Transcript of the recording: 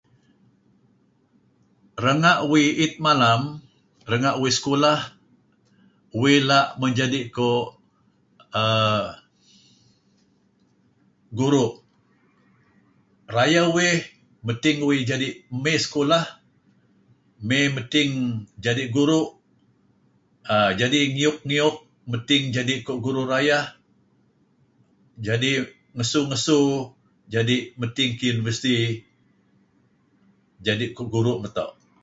Renga' uih i'it malem renga' uih sekulah uih la' menjadi' kuh err guru'. Rayeh uih medting uih jadi' mey sekulah mey medting jadi' guru' err jadi ngiyuk-ngiyuk medting kuh jadi guru' rayeh jadi' ngesu-ngesu jadi medting ngi University jadi' kuh guru' meto'.